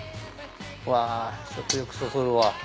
わぁ食欲そそるわ。